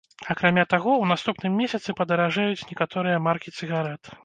Акрамя таго, у наступным месяцы падаражэюць некаторыя маркі цыгарэт.